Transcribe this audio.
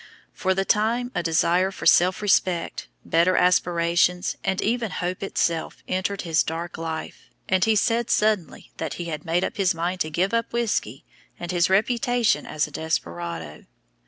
For the time a desire for self respect, better aspirations, and even hope itself, entered his dark life; and he said, suddenly, that he had made up his mind to give up whisky and his reputation as a desperado.